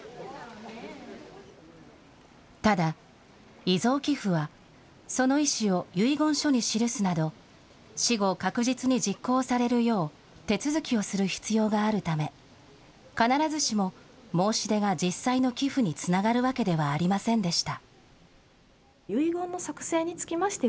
ただ、遺贈寄付はその意思を、遺言書に記すなど、死後、確実に実行されるよう手続きをする必要があるため、必ずしも申し出が実際の寄付につながるわけではありませんでした。